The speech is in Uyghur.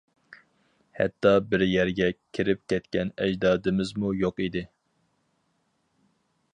ھەتتا بىر يەرگە كىرىپ كەتكەن ئەجدادىمىزمۇ يوق ئىدى.